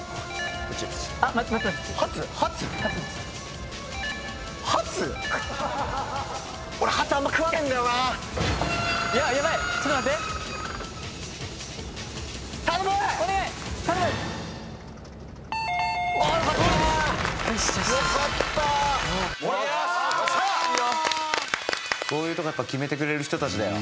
こういうとこやっぱ決めてくれる人たちだよ。